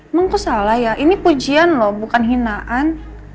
emang aku salah ya ini pujian loh bukan hinaan